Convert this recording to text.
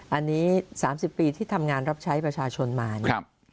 อันนี้๓๐ปีที่ทำงานรับใช้ประชาชนมาเนี่ย